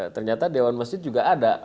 ternyata dewan masjid juga ada